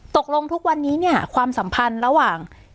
ตกลงทุกวันนี้เนี่ยความสัมพันธ์ระหว่าง